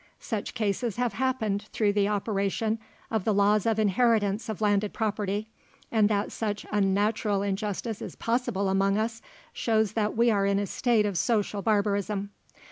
Such cases have happened through the operation of the laws of inheritance of landed property; and that such unnatural injustice is possible among us, shows that we are in a state of social barbarism.